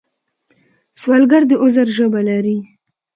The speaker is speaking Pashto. سوالګر د عذر ژبه لري